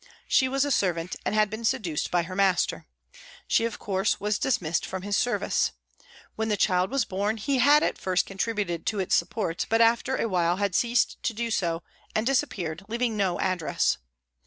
She was a servant, and had been seduced by her master. She, of course, was dis missed from his service. When the child was born, he had at first contributed to its support, but after a while had ceased to do so and disappeared, leaving no address.